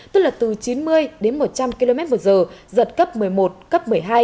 tức là từ chín mươi đến một trăm linh km một giờ giật cấp một mươi một cấp một mươi hai